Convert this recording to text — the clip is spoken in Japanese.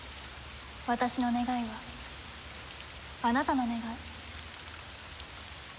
私の願いはあなたの願い。